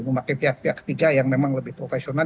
memakai via ketiga yang memang lebih profesional